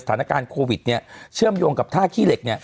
สถานการณ์โควิดเชื่อมโยงกับท่าขี้เหล็ก